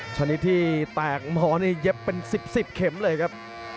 ชนิดที่แตกหมอนี่เย็บเป็น๑๐๑๐เข็มเลยครับ